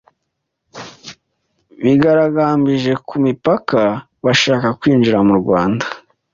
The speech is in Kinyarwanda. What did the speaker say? bigaragambije ku mipaka bashaka kwinjira mu Rwanda